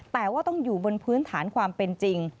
แต่ว่าต้องอยู่บนพื้นฐานความเป็นจริง